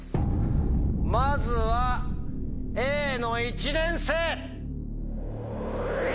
まずはＡの１年生！